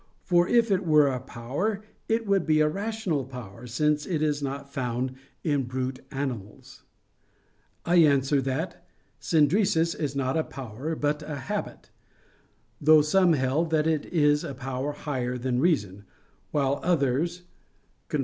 For if it were a power it would be a rational power, since it is not found in brute animals. I answer that, "Synderesis" is not a power but a habit; though some held that it is a power higher than reason; while others [*Cf.